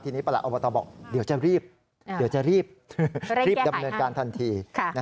ทีนี้ประหละอบทบอกเดี๋ยวจะรีบเรียบดำเนินการทันที